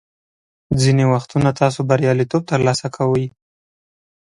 ځینې وختونه تاسو بریالیتوب ترلاسه کوئ.